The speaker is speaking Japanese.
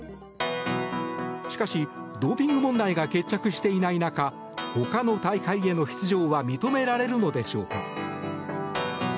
しかし、ドーピング問題が決着していない中ほかの大会への出場は認められるのでしょうか。